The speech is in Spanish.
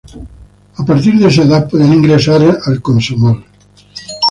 A contar de esa edad podían ingresar al Komsomol.